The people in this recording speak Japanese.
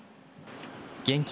現金